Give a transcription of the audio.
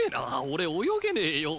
俺泳げねェよ。